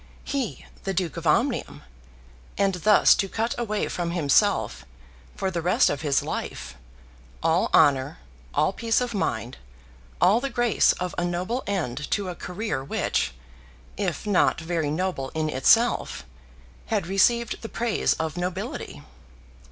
He, the Duke of Omnium, and thus to cut away from himself, for the rest of his life, all honour, all peace of mind, all the grace of a noble end to a career which, if not very noble in itself, had received the praise of nobility!